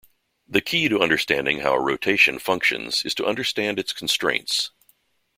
The key to understanding how a rotation functions is to understand its constraints.